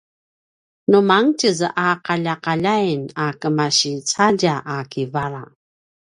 nu mangetjez a qalialian a kemasi cadja a kivala